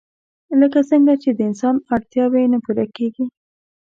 لکه څنګه چې د انسان اړتياوې نه پوره کيږي